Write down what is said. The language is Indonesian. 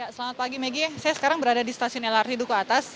selamat pagi megi saya sekarang berada di stasiun lrt duku atas